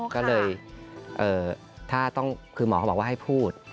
ก็เลยถ้าต้องคือหมอเขาบอกว่าให้พูด